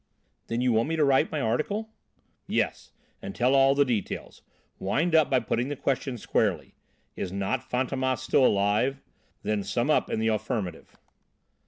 "Then you want me to write my article?" "Yes, and tell all the details; wind up by putting the question squarely. 'Is not Fantômas still alive?' Then sum up in the affirmative.